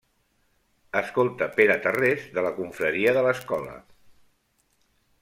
Escolta Pere Tarrés de la confraria de l'escola.